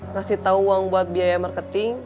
ngasih tahu uang buat biaya marketing